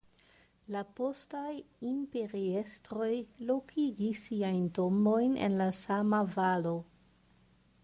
La postaj imperiestroj lokigis siajn tombojn en la sama valo.